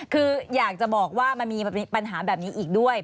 คืออยากจะบอกว่ามันมีปัญหาแบบนี้อีกด้วย